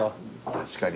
確かに。